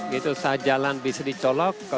gitu usaha jalan bisa dicolok